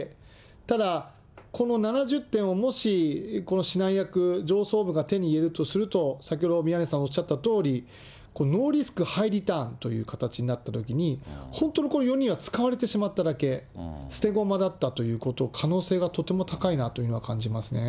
ただ、この７０点をもし、この指南役、上層部が手に入れるとすると、先ほど宮根さんおっしゃったとおり、ノーリスク、ハイリターンという形になったときに、本当にこの４人は使われてしまっただけ、捨て駒だったということ、可能性がとても高いなというふうには感じますね。